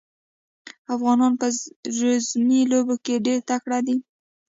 افغانان په رزمي لوبو کې ډېر تکړه دي.